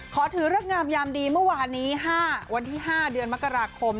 ขอถือเลิกงามยามดีเมื่อวานนี้๕วันที่๕เดือนมกราคม